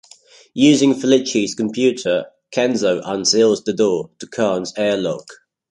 Using Fellicci's computer, Kenzo unseals the door to Karne's airlock.